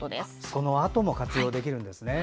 そのあとも活用できるんですね。